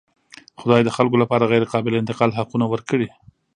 خدای د خلکو لپاره غیرقابل انتقال حقونه ورکړي.